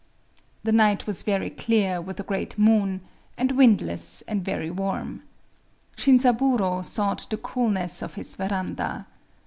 The night was clear, with a great moon,—and windless, and very warm. Shinzaburō sought the coolness of his veranda.